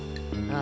あ。